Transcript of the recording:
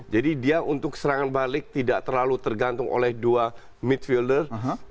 jadi dia untuk serangan balik tidak terlalu tergantung oleh dua midfielder